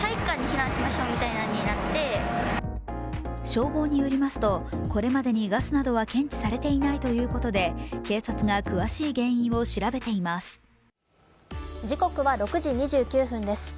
消防によりますとこれまでにガスなどは検知されていないということで、警察が詳しい原因を調べています。